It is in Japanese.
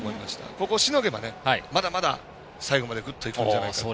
ここをしのげばまだまだ最後までグッといくんじゃないかと。